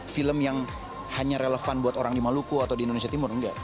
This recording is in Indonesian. film yang hanya relevan buat orang di maluku atau di indonesia timur enggak